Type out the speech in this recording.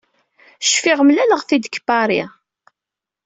Cfiɣ mlaleɣ-t-id deg Paris.